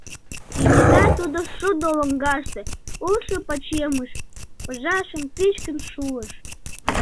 Кенета тудо шудо лоҥгаште улшо пачемыш пыжашым пӱчкын шуыш.